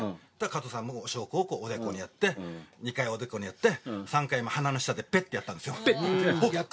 加藤さんもお焼香をおでこにやって、２回おでこにやって、３回目、鼻の下でペッてやったんですよ。